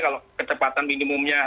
kalau kecepatan minimumnya